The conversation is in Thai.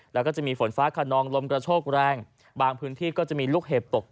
และมีฝนฟ้าขนองลมกระโชคแรงบางพื้นที่มีลูกเห็บตกด้วย